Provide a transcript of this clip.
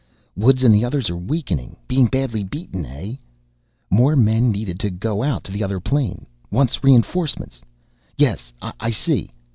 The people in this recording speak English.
Woods and the others are weakening. Being badly beaten, eh?... More men needed to go out to the other plane. Wants reinforcements. Yes. I see.